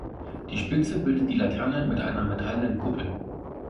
Die Spitze bildet die Laterne mit einer metallenen Kuppel.